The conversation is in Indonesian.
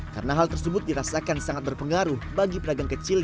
karena hal tersebut dirasakan sangat berpengaruh bagi pedagang kecil